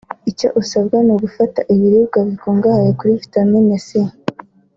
Icyo usabwa n’ugufata ibiribwa bikungahaye kuri Vitamine C